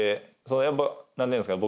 やっぱなんていうんですか